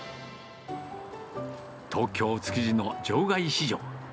東京・築地の場外市場。